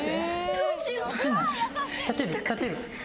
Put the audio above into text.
どうしよう？